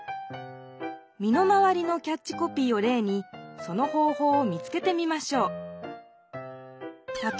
みの回りのキャッチコピーをれいにその方法を見つけてみましょう。